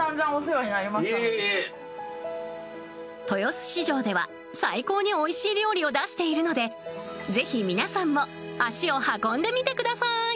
豊洲市場では最高においしい料理を出しているのでぜひ皆さんも足を運んでみてください。